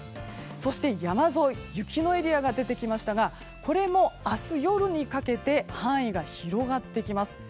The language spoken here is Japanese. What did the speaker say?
そして、山沿い雪のエリアが出てきましたがこれも明日夜にかけて範囲が広がってきます。